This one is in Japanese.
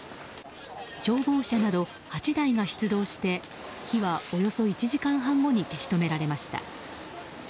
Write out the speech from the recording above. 消防車など８台が出動して火は、およそ１時間半後に消し止められました。